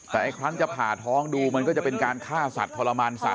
แต่ไอ้ครั้งจะผ่าท้องดูมันก็จะเป็นการฆ่าสัตว์ทรมานสัตว